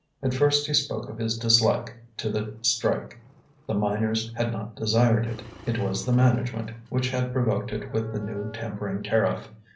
At first he spoke of his dislike to the strike; the miners had not desired it, it was the management which had provoked it with the new timbering tariff.